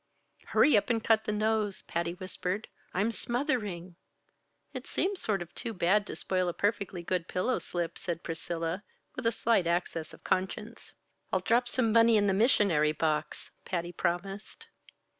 "Hurry up and cut a nose," Patty whispered. "I'm smothering!" "It seems sort of too bad to spoil a perfectly good pillow slip," said Priscilla, with a slight access of conscience. "I'll drop some money in the missionary box," Patty promised.